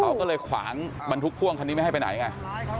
เขาก็เลยขวางบรรทุกพ่วงคันนี้ไม่ให้ไปไหนไง